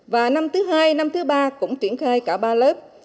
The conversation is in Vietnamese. và năm thứ hai năm thứ ba cũng triển khai cả ba lớp